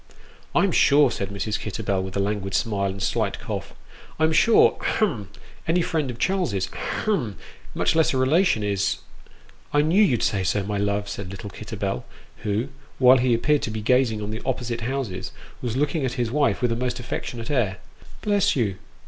" I'm sure," said Mrs. Kitterbell, with a languid smile, and a slight cough. " I'm sure hem any friend of Charles's hem much less a relation, is " I knew you'd say so, my love," said little Kitterbell, who, while he appeared to be gazing on the opposite houses, was looking at his wife with a most affectionate air :" Bless you